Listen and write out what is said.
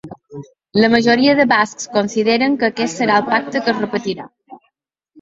La majoria de bascs consideren que aquest serà el pacte que es repetirà.